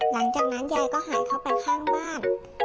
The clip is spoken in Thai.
หลังจากนั้นยายก็หายเข้าไปข้างบ้าน